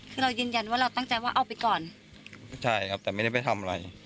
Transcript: คือเรายืนยันว่าเราตั้งใจว่าเอาไปก่อนใช่ครับแต่ไม่ได้ไปทำอะไร